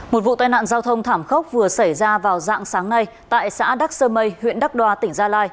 một vụ tai nạn giao thông thảm khốc vừa xảy ra vào dạng sáng nay tại xã đắc sơ mây huyện đắc đoa tỉnh gia lai